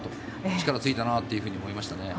力がついたなと思いましたね。